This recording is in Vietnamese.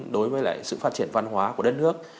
đối với lại sự phát triển văn hóa của đất nước